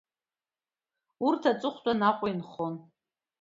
Урҭ аҵыхәтәан Аҟәа инхон…